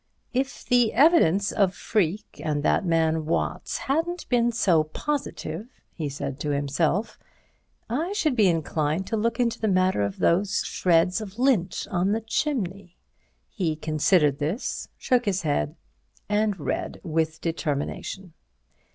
"If the evidence of Freke and that man Watts hadn't been so positive," he said to himself, "I should be inclined to look into the matter of those shreds of lint on the chimney." He considered this, shook his head and read with determination.